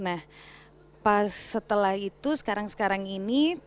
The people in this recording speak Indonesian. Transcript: nah pas setelah itu sekarang sekarang ini